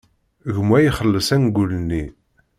Gma ixelleṣ angul-nni.